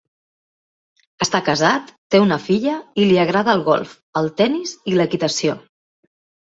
Està casat, té una filla i li agrada el golf, el tennis i l'equitació.